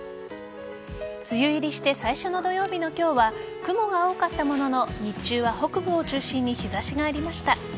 梅雨入りして最初の土曜日の今日は雲が多かったものの日中は北部を中心に日差しがありました。